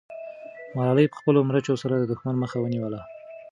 ملالۍ په خپلو مرچو سره د دښمن مخه ونیوله.